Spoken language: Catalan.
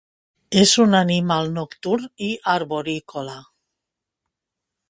És un animal nocturn i arborícola.